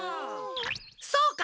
そうか！